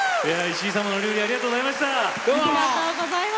石井さんもノリノリありがとうございました。